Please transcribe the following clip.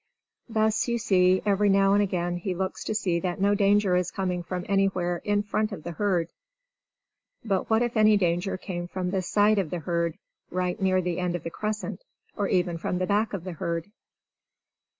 Thus, you see, every now and again he looks to see that no danger is coming from anywhere in front of the herd. But what if any danger came from the side of the herd, right near the end of the crescent, or even from the back of the herd?